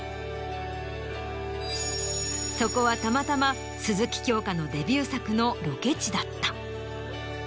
そこはたまたま鈴木京香のデビュー作のロケ地だった。